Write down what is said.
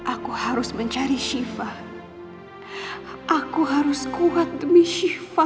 aku harus mencari shiva aku harus kuat demi shiva